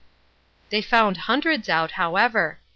They found hundreds out, however.